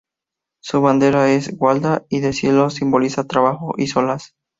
Su bandera de gualda y de cielo simboliza trabajo y solaz.